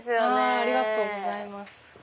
ありがとうございます。